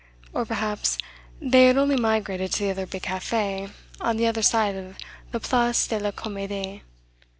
Or perhaps they had only migrated to the other big cafe, on the other side of the Place de la Comedie.